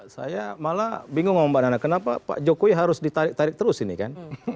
saya malah bingung sama mbak nana kenapa pak jokowi harus ditarik tarik terus ini kan